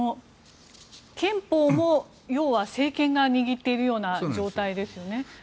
憲法も政権が握っているような状態ですよね。